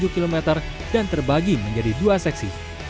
dua puluh km dan terbagi menjadi dua seksi